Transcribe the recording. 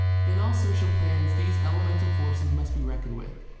In all social plans these elemental forces must be reckoned with.